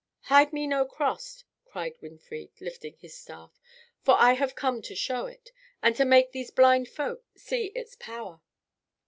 "Hide me no cross," cried Winfried, lifting his staff, "for I have come to show it, and to make these blind folk see its power.